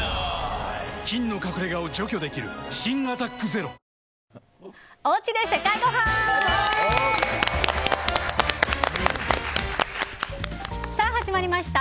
菌の隠れ家を除去できる新「アタックＺＥＲＯ」さあ、始まりました。